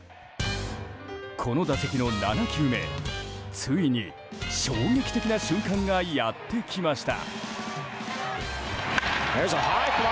この打席の７球目ついに衝撃的な瞬間がやってきました。